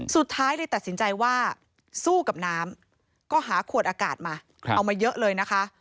สุดท้ายเลยตัดสินใจว่าสู้กับน้ำก็หาขวดอากาศมาเอามาเยอะเลยนะคะ